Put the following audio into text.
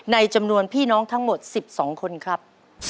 จำนวนพี่น้องทั้งหมด๑๒คนครับ